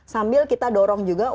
sambil kita dorong juga